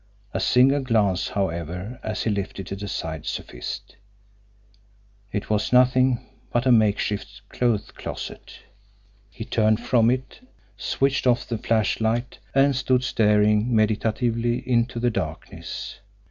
A single glance, however, as he lifted it aside, sufficed. It was nothing but a make shift clothes closet. He turned from it, switched off the flashlight, and stood staring meditatively into the darkness.